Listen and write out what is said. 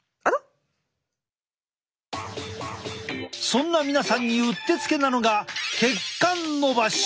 そんな皆さんにうってつけなのが血管のばし。